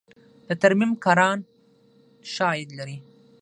د ترمیم کاران ښه عاید لري